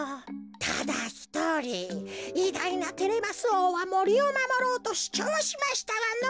ただひとりいだいなテレマスおうはもりをまもろうとしゅちょうしましたがのぉ。